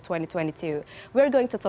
kita akan berbicara tentang penonton